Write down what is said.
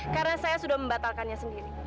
karena saya sudah membatalkannya sendiri